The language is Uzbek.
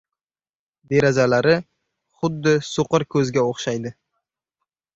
Derazalari xuddi soʻqir koʻzga oʻxshaydi.